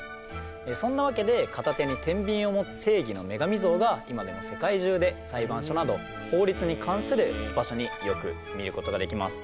そんなわけで片手に天秤を持つ正義の女神像が今でも世界中で裁判所など法律に関する場所によく見ることができます。